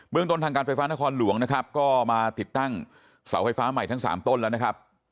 ต้นทางการไฟฟ้านครหลวงนะครับก็มาติดตั้งเสาไฟฟ้าใหม่ทั้ง๓ต้นแล้วนะครับ